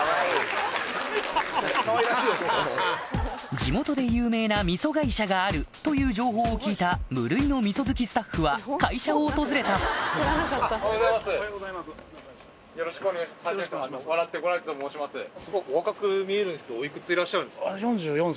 地元で有名な味噌会社があるという情報を聞いた無類の味噌好きスタッフは会社を訪れた４４歳。